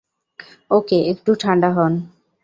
ওকে, একটু ঠান্ডা হোন।